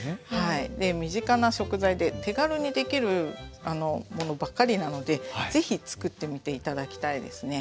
で身近な食材で手軽にできるものばかりなので是非作ってみて頂きたいですね。